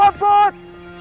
jawab gue put